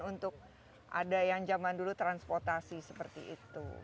untuk ada yang zaman dulu transportasi seperti itu